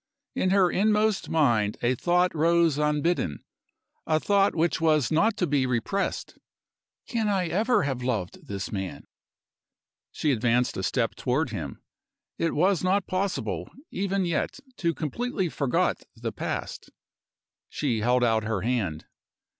In her inmost mind a thought rose unbidden a thought which was not to be repressed. "Can I ever have loved this man?" She advanced a step toward him; it was not possible, even yet, to completely forgot the past. She held out her hand.